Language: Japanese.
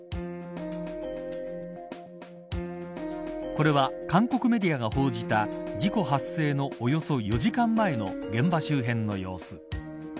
これは韓国メディアが報じた事故発生のおよそ４時間前の現場周辺の様子。